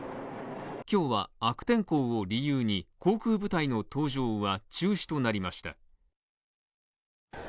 今日は、悪天候を理由に、航空部隊の登場は中止となりました。